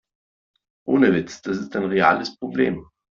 Ohne Witz, das ist ein reales Problem.